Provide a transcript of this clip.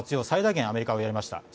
最大限、アメリカはやりました。